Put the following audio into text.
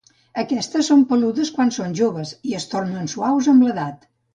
Aquestes són peludes quan són joves, i es tornen suaus amb l'edat.